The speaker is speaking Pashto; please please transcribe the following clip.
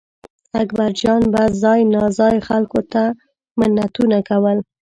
اکبرجان به ځای ناځای خلکو ته منتونه کول.